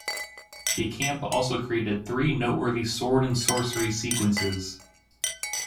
De Camp also created three noteworthy sword and sorcery sequences.